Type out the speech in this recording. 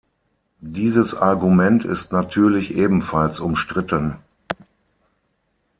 Dieses Argument ist natürlich ebenfalls umstritten.